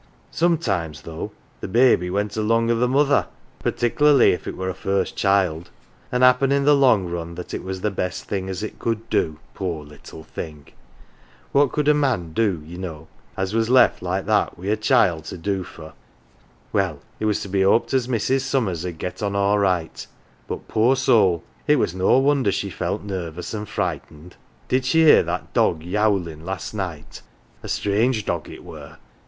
Sometimes, though, the baby went along o 1 the mother particklerly if it were a first child ; an 1 happen in the long run that it was the best thing as it could do poor little thing ! What could a man do, 215 HERE AND THERE ye know, as was left like that wi' a child to do for? Well, it was to be "oped as Mrs. Summers 'ud get on all right, but, poor soul, it was no wonder she felt nervous an" 1 frightened. Did she hear that dog youlin' last night ? A strange dog it were.